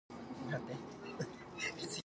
感嘆詞って難しい